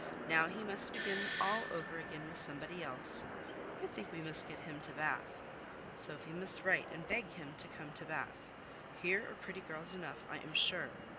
"Now he must begin all over again with somebody else. I think we must get him to Bath. Sophy must write, and beg him to come to Bath. Here are pretty girls enough, I am sure.